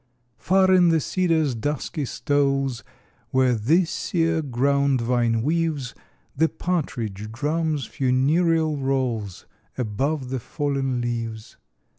Far in the cedars' dusky stoles, Where the sere ground vine weaves, The partridge drums funereal rolls Above the fallen leaves.